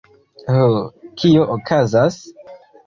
Ho, kio okazas?